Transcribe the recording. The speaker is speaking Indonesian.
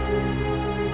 aku mau ke sana